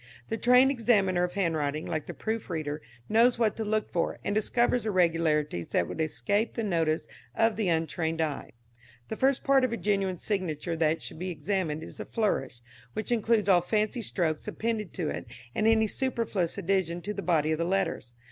The trained examiner of handwriting, like the proof reader, knows what to look for, and discovers irregularities that would escape the notice of the untrained eye. The first part of a genuine signature that should be examined is the flourish, which includes all fancy strokes appended to it, and any superfluous addition to the body of the letters.